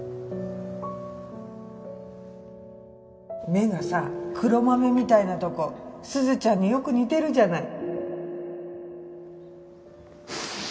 目がさ黒豆みたいなとこ鈴ちゃんによく似てるじゃない。